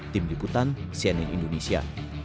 tim liputan cnn indonesia